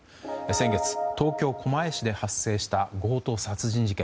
先月、東京・狛江市で発生した強盗殺人事件。